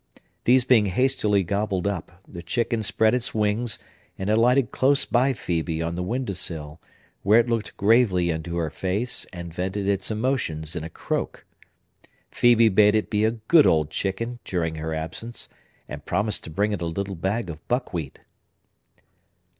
These being hastily gobbled up, the chicken spread its wings, and alighted close by Phœbe on the window sill, where it looked gravely into her face and vented its emotions in a croak. Phœbe bade it be a good old chicken during her absence, and promised to bring it a little bag of buckwheat.